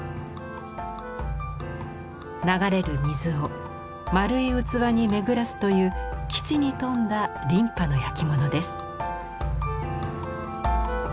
流れる水を丸い器に巡らすという機知に富んだ琳派のやきものです。